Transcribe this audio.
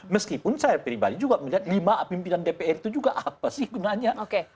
meskipun saya pribadi juga melihat lima pimpinan dpr itu juga apa sih gunanya